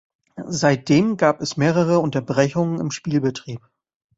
Seitdem gab es mehrere Unterbrechungen im Spielbetrieb.